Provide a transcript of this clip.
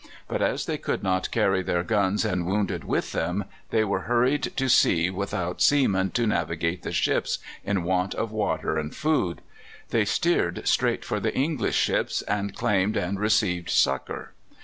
But as they could not carry their guns and wounded with them, these were hurried to sea without seamen to navigate the ships, in want of water and food. They steered straight for the English ships, and claimed and received succour.